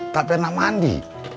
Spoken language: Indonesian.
tak pernah mandi